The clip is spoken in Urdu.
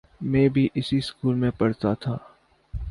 میں بھی اسی سکول میں پڑھتا تھا۔